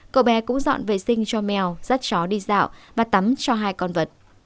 cậu bé cũng dọn vệ sinh cho mèo rắt chó đi dạo và tắm cho hai con vật